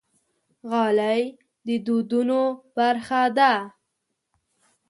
غالۍ د دودونو برخه ده.